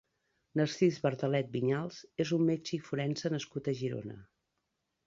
Narcís Bardalet Viñals és un metge i forense nascut a Girona.